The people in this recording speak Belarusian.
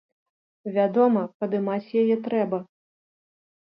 Вядома, падымаць яе трэба.